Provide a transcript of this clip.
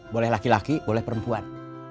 boleh laki laki boleh perempuan